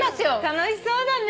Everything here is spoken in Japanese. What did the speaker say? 楽しそうだね！